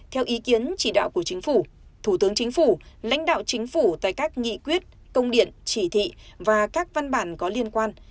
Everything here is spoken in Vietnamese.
theo ý kiến chỉ đạo của chính phủ thủ tướng chính phủ lãnh đạo chính phủ tại các nghị quyết công điện chỉ thị và các văn bản có liên quan